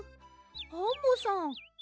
アンモさん。